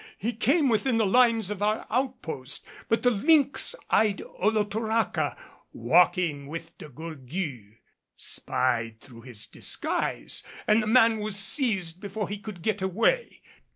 He came within the lines of our outposts, but the lynx eyed Olotoraca, walking with De Gourgues, spied through his disguise and the man was seized before he could get away.